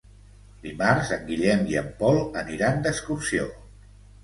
Dimarts en Guillem i en Pol aniran d'excursió.